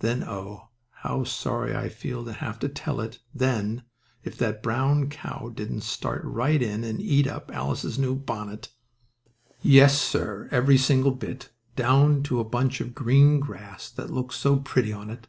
Then, oh, how sorry I feel that I have to tell it then, if that brown cow didn't start right in and eat up Alice's new bonnet! Yes, sir, every single bit, down to a bunch of green grass that looked so pretty on it.